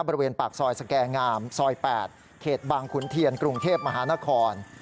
บริเวณปากซอยสแก่งามซอย๘เขตบางขุนเทียนกรุงเทพมหานคร